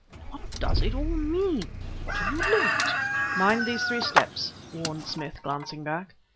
"What does it all mean? what have you learnt?" "Mind these three steps," warned Smith, glancing back.